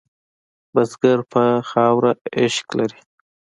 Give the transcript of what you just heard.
بزګر په خاوره عشق لري